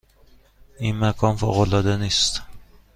این مکان فوق العاده نیست؟